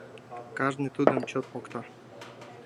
Кажне тудым чот мокта